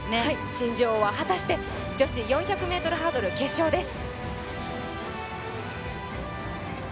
新女王は果たして女子４００ｍハードル決勝です。